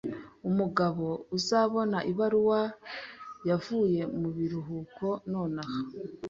Umugabo uzabona ibaruwa yavuye mubiruhuko nonaha.